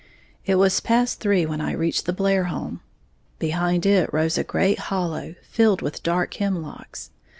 It was past three when I reached the Blair home. Behind it rose a great hollow, filled with dark hemlocks.